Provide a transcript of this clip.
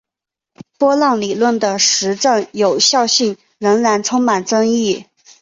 波浪理论的实证有效性仍然充满争议。